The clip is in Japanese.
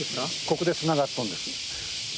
ここでつながっとんです。